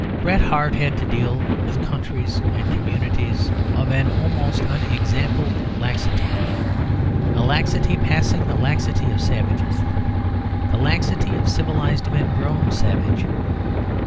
Bret Harte had to deal with countries and communities of an almost unexampled laxity, a laxity passing the laxity of savages, the laxity of civilised men grown savage.